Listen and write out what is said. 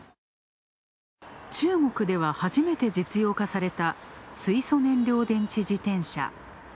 中国では初めて実用化された、水素燃料電池自転車。